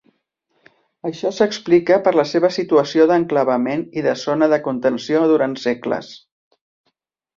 Això s'explica per la seva situació d'enclavament i de zona de contenció durant segles.